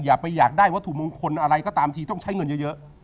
อย่าไปอยากได้วัตถุมงคลอะไรก็ตามทีต้องใช้เงินเยอะ